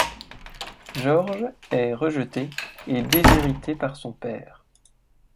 George est rejeté et déshérité par son père.